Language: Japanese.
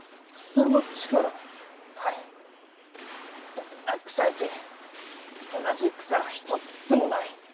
どんな草やち同じ草らあひとっつもない！